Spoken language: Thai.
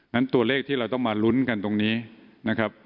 ตัวเลขที่เราต้องมาลุ้นกันตรงนี้นะครับ